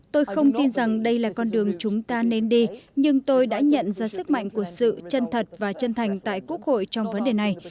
tôi không tin rằng đây là con đường chúng ta nên đi nhưng tôi đã nhận ra sức mạnh của sự chân thật và chân thành tại quốc hội trong vấn đề này